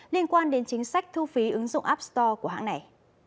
liên quan đến chính sách thu phí ứng dụng app store của hãng này